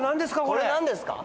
これ何ですか？